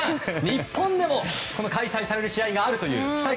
日本でも開催される試合があるという。